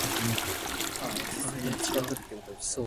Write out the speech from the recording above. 無鼎無灶